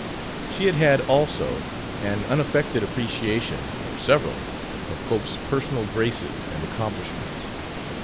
She had had also an unaffected appreciation or several of Cope's personal graces and accomplishments.